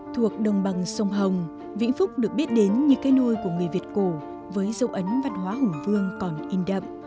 thuộc đồng bằng sông hồng vĩnh phúc được biết đến như cái nôi của người việt cổ với dấu ấn văn hóa hùng vương còn in đậm